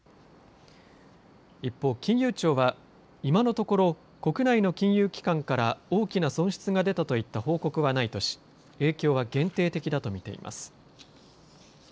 一方、金融庁は今のところ国内の金融機関から大きな損失が出たといった報告はないとし影響は限定的だと見ています。